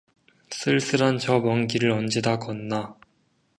쓸쓸한 저 먼 길을 언제 다 걷나